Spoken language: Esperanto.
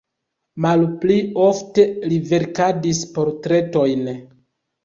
Malpli ofte li verkadis portretojn.